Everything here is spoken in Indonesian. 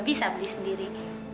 bisa beli sendiri